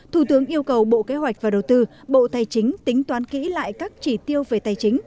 thủ tướng yêu cầu bộ kế hoạch và đầu tư bộ tài chính tính toán kỹ lại các chỉ tiêu về tài chính